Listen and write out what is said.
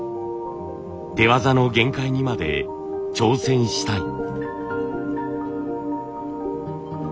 手わざの限界にまで挑戦したい。